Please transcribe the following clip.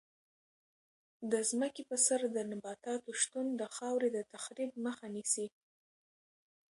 د ځمکې په سر د نباتاتو شتون د خاورې د تخریب مخه نیسي.